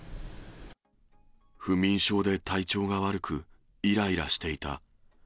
不眠症で体調が悪く、いらいらしていた。